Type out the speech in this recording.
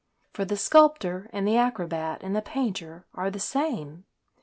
For the sculptor and the acrobat and the painter are the same.